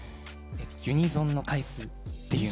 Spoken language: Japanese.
ユニゾンの回数？